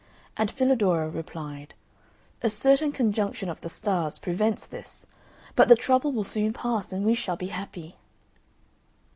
And Filadoro replied, "A certain conjunction of the stars prevents this, but the trouble will soon pass and we shall be happy."